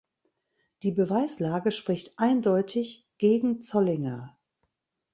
Die Beweislage spricht eindeutig gegen Zollinger.